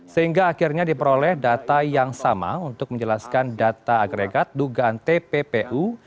sehingga akhirnya diperoleh data yang sama untuk menjelaskan data agregat dugaan tppu